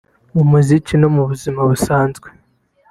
mu muziki no mu buzima busanzwe